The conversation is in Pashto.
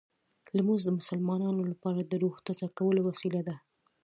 لمونځ د مسلمانانو لپاره د روح تازه کولو وسیله ده.